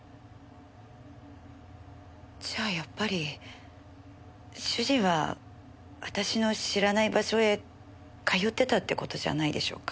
じゃあやっぱり主人は私の知らない場所へ通ってたって事じゃないでしょうか。